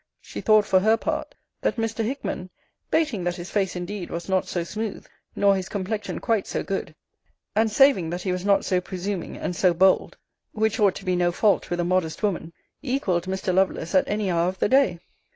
] she thought for her part, that Mr. Hickman, bating that his face indeed was not so smooth, nor his complexion quite so good, and saving that he was not so presuming and so bold (which ought to be no fault with a modest woman) equaled Mr. Lovelace at any hour of the day.